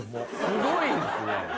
すごいですね。